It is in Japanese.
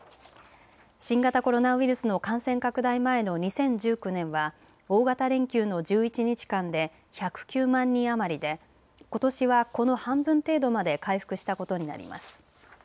新型コロナウイルスの感染拡大前の２０１９年は大型連休の１１日間で１０９万人余りでことしはこの半分程度まで回復したことになります。